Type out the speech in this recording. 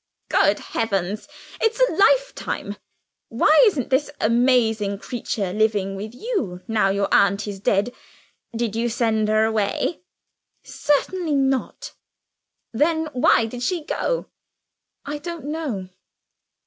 "Good heavens, it's a lifetime! Why isn't this amazing creature living with you, now your aunt is dead? Did you send her away?" "Certainly not." "Then why did she go?" "I don't know."